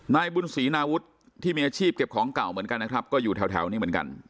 นายบุญศรีนาวุฒิที่มีอาชีพเก็บของเก่าเหมือนกันนะครับก็อยู่แถวนี้เหมือนกัน